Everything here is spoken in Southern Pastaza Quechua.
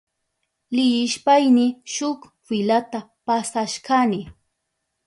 Leyishpayni shuk filata pasashkani.